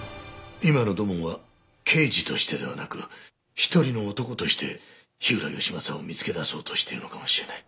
今の土門は刑事としてではなく一人の男として火浦義正を見つけ出そうとしているのかもしれない。